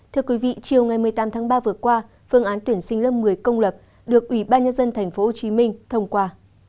thưa quý vị chiều ngày một mươi tám tháng ba vừa qua phương án tuyển sinh lớp một mươi công lập được ủy ban nhân dân tp hcm thông qua